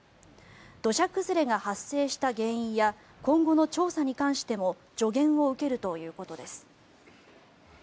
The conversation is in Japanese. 土砂崩れが発生した原因や今後の調査に関しても助言を受けるということです。